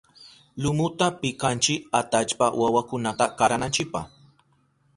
Lumuta pikanchi atallpa wawakunata karananchipa.